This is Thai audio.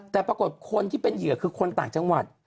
แต่ปรากฏคนที่เป็นเหยื่อคือคนต่างจังหวัด